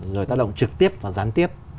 rồi tác động trực tiếp và gián tiếp